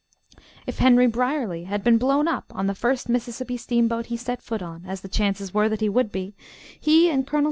If Henry Brierly had been blown up on the first Mississippi steamboat he set foot on, as the chances were that he would be, he and Col.